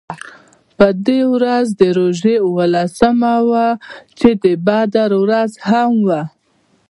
په دې ورځ د روژې اوولسمه وه چې د بدر ورځ هم وه.